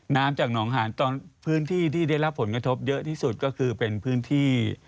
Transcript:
จากหนองหานตอนพื้นที่ที่ได้รับผลกระทบเยอะที่สุดก็คือเป็นพื้นที่